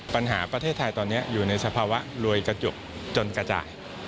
ประเทศไทยตอนนี้อยู่ในสภาวะรวยกระจกจนกระจาย